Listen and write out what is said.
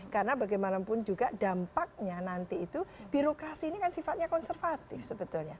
karena bagaimanapun juga dampaknya nanti itu birokrasi ini kan sifatnya konservatif sebetulnya